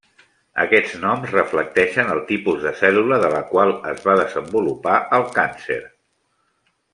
Aquests noms reflecteixen el tipus de cèl·lula de la qual es va desenvolupar el càncer.